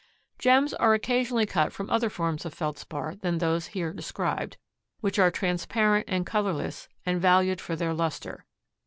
Gems are occasionally cut from other forms of Feldspar than those here described, which are transparent and colorless and valued for their lustre.